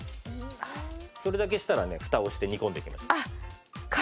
それだけしたらね蓋をして煮込んでいきましょう。